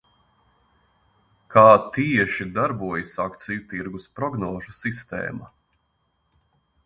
Kā tieši darbojas akciju tirgus prognožu sistēma?